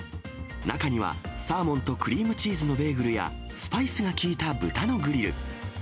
中にはサーモンとクリームチーズのベーグルや、スパイスが効いた豚のグリル。